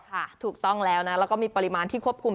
ถูกต้องแล้วนะแล้วก็มีปริมาณที่ควบคุม